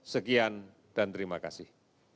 sekian dan terima kasih